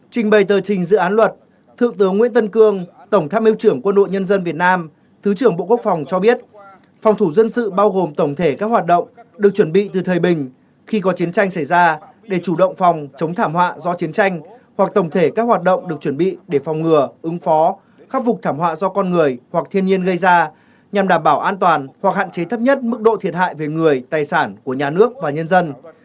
trình bày tờ trình dự án luật thượng tướng nguyễn tân cương tổng tháp miêu trưởng quân đội nhân dân việt nam thứ trưởng bộ quốc phòng cho biết phòng thủ dân sự bao gồm tổng thể các hoạt động được chuẩn bị từ thời bình khi có chiến tranh xảy ra để chủ động phòng chống thảm họa do chiến tranh hoặc tổng thể các hoạt động được chuẩn bị để phòng ngừa ứng phó khắc phục thảm họa do con người hoặc thiên nhiên gây ra nhằm đảm bảo an toàn hoặc hạn chế thấp nhất mức độ thiệt hại về người tài sản của nhà nước và nhân dân